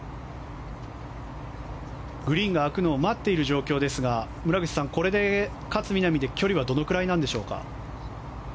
グリーンが空くのを待っている状況ですが村口さん、これで勝みなみで距離はどのくらいなんでしょうか。